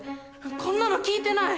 こんなの聞いてない。